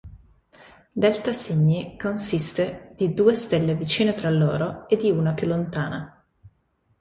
Delta Cygni consiste di due stelle vicine tra loro e di una più lontana.